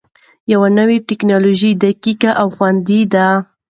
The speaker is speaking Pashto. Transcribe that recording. یوني ټېکنالوژي دقیق او خوندي ده.